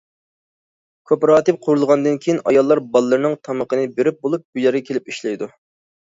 كوپىراتىپ قۇرۇلغاندىن كېيىن، ئاياللار بالىلىرىنىڭ تامىقىنى بېرىپ بولۇپ بۇ يەرگە كېلىپ ئىشلەيدۇ.